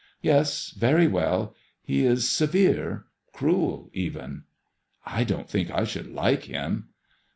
" Yes, very well. He is severe — cruel even.*' '' I don't think I should like him."